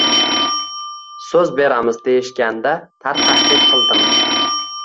So‘z beramiz deyishganda tarxashlik qildim.